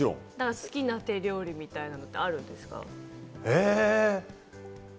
好きな手料理みたいなのってあるんですか？